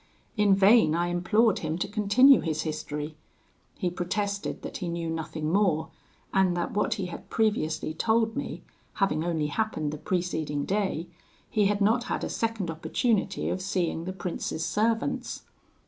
In vain I implored him to continue his history. He protested that he knew nothing more, and that what he had previously told me, having only happened the preceding day, he had not had a second opportunity of seeing the prince's servants.